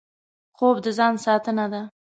خوب د ځان ساتنه ده